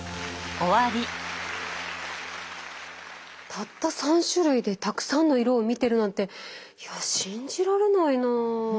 たった３種類でたくさんの色を見てるなんていや信じられないなあ。